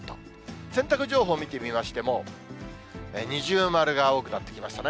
洗濯情報を見てみましても、二重丸が多くなってきましたね。